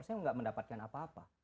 saya nggak mendapatkan apa apa